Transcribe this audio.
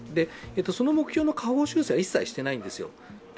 その目標の下方修正は一切していないんですよ。